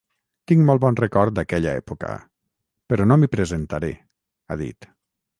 Tinc molt bon record d’aquella època, però no m’hi presentaré, ha dit.